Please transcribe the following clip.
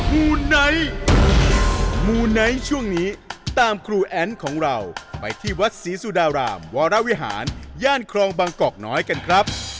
มูไนท์มูไนท์ช่วงนี้ตามครูแอ้นของเราไปที่วัดศรีสุดารามวรวิหารย่านครองบางกอกน้อยกันครับ